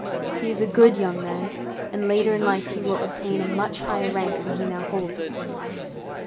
He is a good young man; and later in life he will obtain a much higher rank than he now holds.'